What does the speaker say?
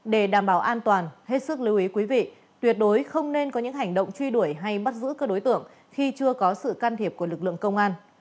để đảm bảo an toàn hết sức lưu ý quý vị tuyệt đối không nên có những hành động truy đuổi hay bắt giữ các đối tượng khi chưa có sự can thiệp của lực lượng công an